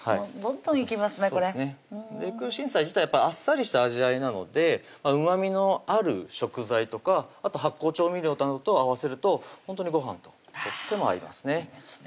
これ空心菜自体あっさりした味わいなのでうまみのある食材とかあと発酵調味料などと合わせるとほんとにごはんととっても合いますね